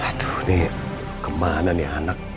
aduh ini kemana nih anak